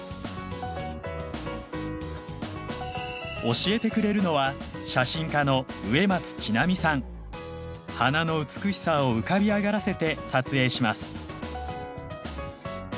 教えてくれるのは花の美しさを浮かび上がらせて撮影します。